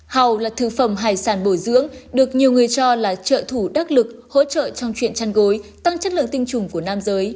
hầu là thực phẩm hải sản bồi dưỡng được nhiều người cho là trợ thủ đắc lực hỗ trợ trong chuyện chăn gối tăng chất lượng tinh trùng của nam giới